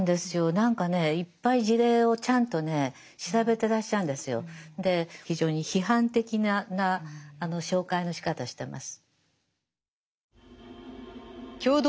何かねいっぱい事例をちゃんとね調べてらっしゃるんですよ。で非常に批判的な紹介のしかたしてます。